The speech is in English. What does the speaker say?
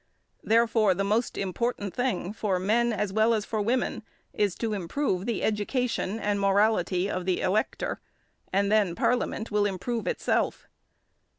Therefore the most important thing for men, as well as for women, is to improve the education and morality of the elector, and then Parliament will improve itself.